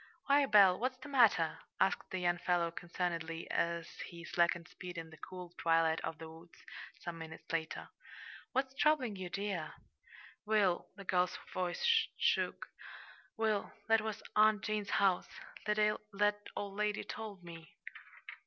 "Why, Belle, what's the matter?" asked the young fellow concernedly, as he slackened speed in the cool twilight of the woods, some minutes later. "What's troubling you, dear?" "Will" the girl's voice shook "Will, that was Aunt Jane's house. That old lady told me."